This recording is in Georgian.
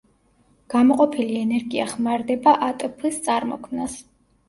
გამოყოფილი ენერგია ხმარდება ატფ-ის წარმოქმნას.